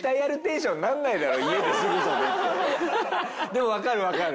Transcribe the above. でもわかるわかる。